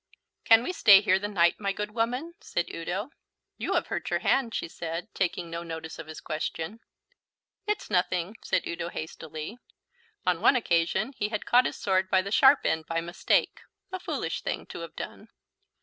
"Can we stay here the night, my good woman?" said Udo. "You have hurt your hand," she said, taking no notice of his question. "It's nothing," said Udo hastily. On one occasion he had caught his sword by the sharp end by mistake a foolish thing to have done.